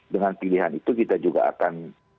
dengan pilihan itu kita juga akan